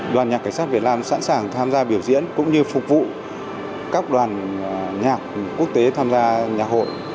đoàn nhạc cảnh sát việt nam sẵn sàng tham gia biểu diễn cũng như phục vụ các đoàn nhạc quốc tế tham gia nhạc hội